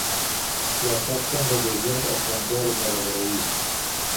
سياست څنګه د ژوند اسانتياوې برابروي؟